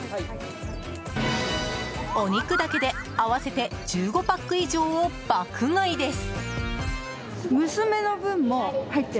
お肉だけで合わせて１５パック以上を爆買いです。